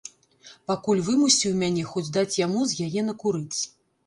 Пакуль вымусіў мяне хоць даць яму з яе накурыць.